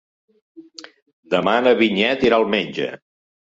Demà na Vinyet irà al metge.